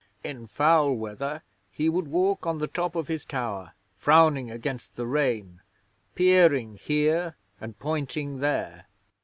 In foul weather he would walk on the top of his tower, frowning against the rain peering here and pointing there.